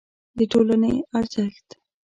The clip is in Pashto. د ټولنې ارزښت